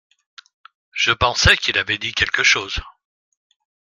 Je pensais qu’il avait dit quelque chose.